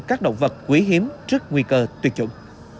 các động vật quý hiếm trước nguy cơ tuyệt chủng